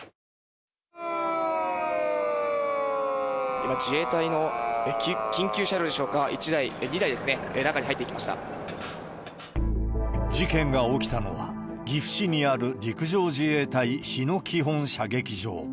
今、自衛隊の緊急車両でしょうか、２台ですね、事件が起きたのは、岐阜市にある陸上自衛隊日野基本射撃場。